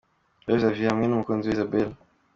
Rev Xavier hamwe n'umukunzi we Isabelle.